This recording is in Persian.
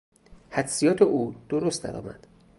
حدسیات او درست درآمد.